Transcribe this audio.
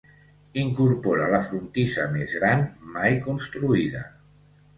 Incorpora la frontissa més gran mai construïda.